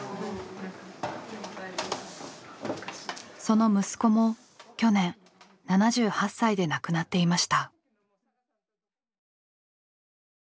その息子も去年７８歳で亡くなっていました。